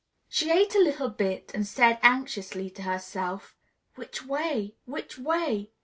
She ate a little bit and said anxiously to herself, "Which way? Which way?"